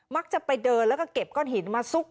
จะไปเดินแล้วก็เก็บก้อนหินมาซุก